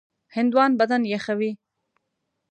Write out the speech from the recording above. هندوانه بدن یخوي.